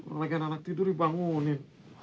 orang orang anak tidur dibangunin